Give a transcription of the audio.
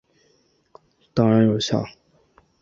当然有效！